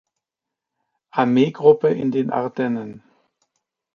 Armeegruppe in den Ardennen.